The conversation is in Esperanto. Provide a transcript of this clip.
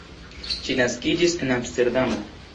Ŝi naskiĝis en Amsterdamo.